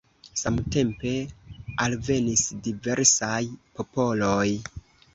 Samtempe alvenis diversaj popoloj.